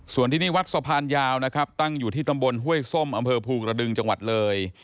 ส่วนที่นี่วัดสะพานยาวนะครับตั้งอยู่ที่ตำบลห้วยส้มอำเภอภูกระดึงจังหวัดเลย